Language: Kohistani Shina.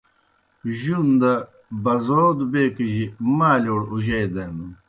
جُون دہ بزودوْ بیکِجیْ مالِیؤڑ اُجئی دینَن۔